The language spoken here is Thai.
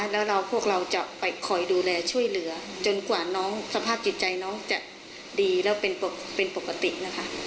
แล้วเราพวกเราจะไปคอยดูแลช่วยเหลือจนกว่าน้องสภาพจิตใจน้องจะดีแล้วเป็นปกตินะคะ